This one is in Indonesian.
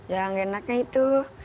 yang enaknya itu